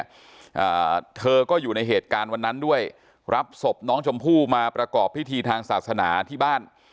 อ่าเธอก็อยู่ในเหตุการณ์วันนั้นด้วยรับศพน้องชมพู่มาประกอบพิธีทางศาสนาที่บ้าน